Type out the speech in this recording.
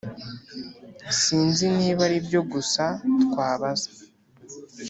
sinzi niba aribyo gusa twabaza